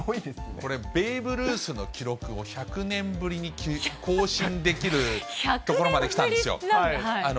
これ、ベーブ・ルースの記録を１００年ぶりに更新できるところまできた１００年ぶりって。